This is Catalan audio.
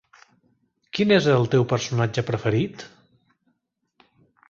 Quin és el teu personatge preferit?